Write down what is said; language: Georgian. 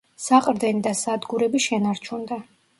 საყრდენი და სადგურები შენარჩუნდა.